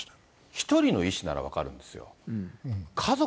１人の意思なら分かるんですよ。